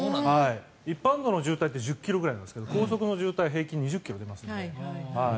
一般道の渋滞って１０ｋｍくらいなんですが高速の渋滞は平均２０ｋｍ出ますので。